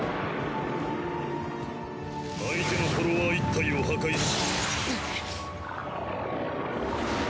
相手のフォロワー１体を破壊し。